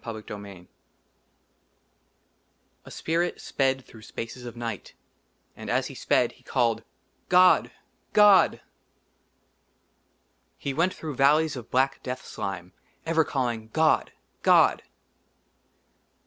74 \ K LXVIII A SPIRIT SPED THROUGH SPACES OF NIGHT; AND AS HE SPED, HE CALLED^ "god! god!" he went through valleys of black death slime, ever calling, "god! god!"